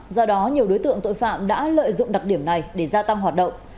do đó nhiều đối tượng tội phạm đã lợi dụng đặc điểm này để gia tăng hoạt động